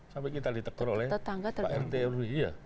sampai kita ditekut oleh rtri